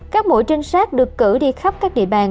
các mũi trinh sát được cử đi khắp các địa bàn